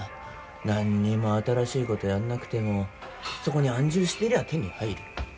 何にも新しいことやんなくてもそこに安住してりゃあ手に入る。